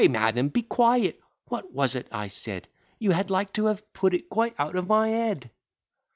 "Pray, madam, be quiet: what was it I said? You had like to have put it quite out of my head.